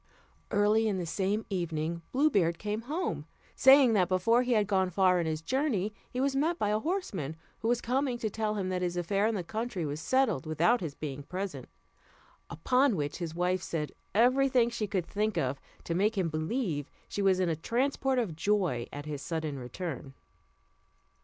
Early in the same evening Blue Beard came home, saying, that before he had gone far on his journey he was met by a horseman, who was coming to tell him that his affair in the country was settled without his being present; upon which his wife said every thing she could think of, to make him believe she was in a transport of joy at his sudden return.